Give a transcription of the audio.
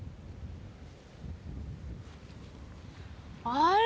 あれ？